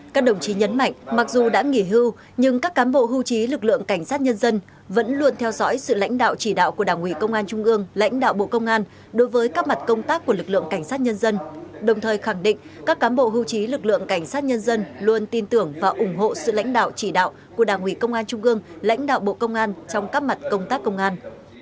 các đồng chí nhấn mạnh mặc dù đã nghỉ hưu nhưng các cám bộ hưu trí lực lượng cảnh sát nhân dân vẫn luôn theo dõi sự lãnh đạo chỉ đạo của đảng ủy công an trung gương lãnh đạo bộ công an đối với các mặt công tác của lực lượng cảnh sát nhân dân đồng thời khẳng định các cám bộ hưu trí lực lượng cảnh sát nhân dân luôn tin tưởng và ủng hộ sự lãnh đạo chỉ đạo của đảng ủy công an trung gương lãnh đạo bộ công an trong các mặt công tác công an